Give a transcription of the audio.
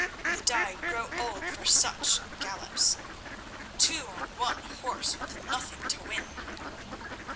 "That I grow old for such gallops—two on one horse, with nothing to win."